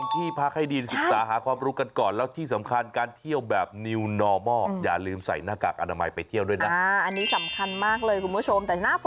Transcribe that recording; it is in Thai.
เที่ยวอีกเยอะแยะมากมายเลยนะคะ